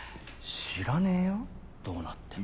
知らねえよどうなっても。